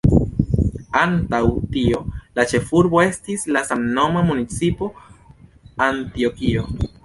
Antaŭ tio, la ĉefurbo estis la samnoma municipo Antjokio.